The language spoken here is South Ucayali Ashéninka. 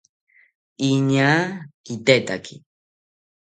Iñaa kitetaki